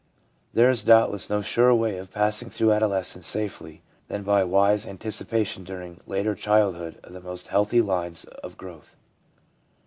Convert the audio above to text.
There is doubtless no surer way of passing through adolescence safely than by a wise anticipation during later childhood of the most healthy lines of growth.